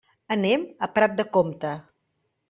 Anem a Prat de Comte.